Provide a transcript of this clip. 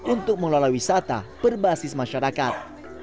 untuk mengelola wisata berbasis masyarakat